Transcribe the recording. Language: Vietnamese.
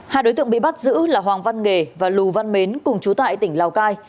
hai đối tượng bị bắt giữ là hoàng văn nghề và lù văn mến cùng chú tại tỉnh lào cai